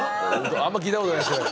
あんま聞いたことないっすね。